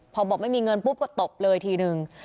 พอบอกไม่มีเงินปุ๊บก็ตบเลยทีนึง